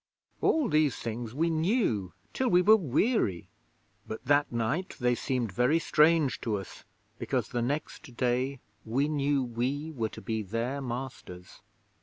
All these things we knew till we were weary; but that night they seemed very strange to us, because the next day we knew we were to be their masters.